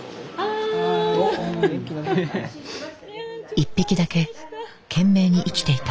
１匹だけ懸命に生きていた。